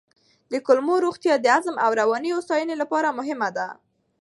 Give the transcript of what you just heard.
د کولمو روغتیا د هضم او رواني هوساینې لپاره مهمه ده.